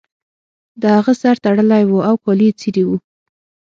د هغه سر تړلی و او کالي یې څیرې وو